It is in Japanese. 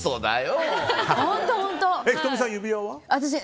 仁美さん、指輪は？